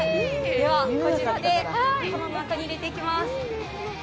ではこちらで窯の中に入れていきます